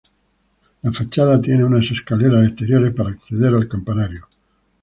La fachada tiene unas escaleras exteriores para acceder al campanario.